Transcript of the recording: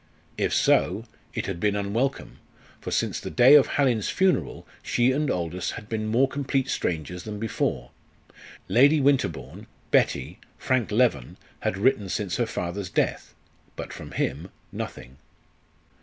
If so, it had been unwelcome, for since the day of Hallin's funeral she and Aldous had been more complete strangers than before. Lady Winterbourne, Betty, Frank Leven, had written since her father's death; but from him, nothing.